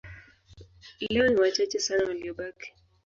Leo ni wachache sana waliobaki.